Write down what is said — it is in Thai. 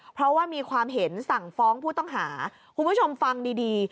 เพราะว่ามีความเห็นสั่งฟ้องผู้ต้องหาคุณผู้ชมฟังดีดี